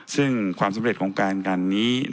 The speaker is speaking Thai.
ซึ่งความสำเร็จของการกันนี้